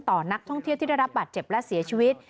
ต่อนักท่องเที่ยวที่ได้รับบาดเจ็บและเสียชีวิต